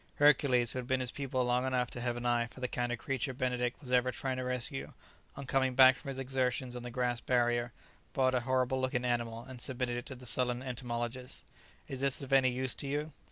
Hercules, who had been his pupil long enough to have an eye for the kind of creature Benedict was ever trying to secure, on coming back from his exertions on the grass barrier, brought a horrible looking animal, and submitted it to the sullen entomologist. "Is this of any use to you?"